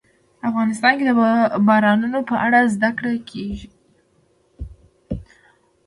افغانستان کې د بارانونو په اړه زده کړه کېږي.